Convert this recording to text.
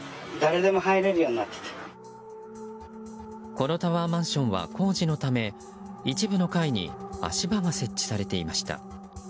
このタワーマンションは工事のため一部の階に足場が設置されていました。